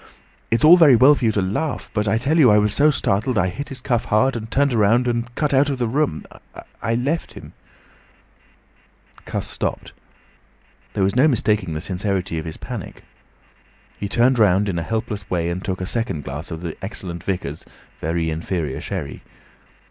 "It's all very well for you to laugh, but I tell you I was so startled, I hit his cuff hard, and turned around, and cut out of the room—I left him—" Cuss stopped. There was no mistaking the sincerity of his panic. He turned round in a helpless way and took a second glass of the excellent vicar's very inferior sherry.